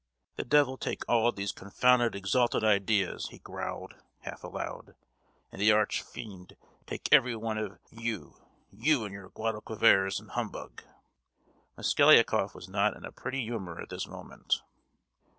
"The devil take all these confounded exalted ideas!" he growled, half aloud; "and the archfiend take every one of you, you and your Guadalquivers and humbug!" Mosgliakoff was not in a pretty humour at this moment.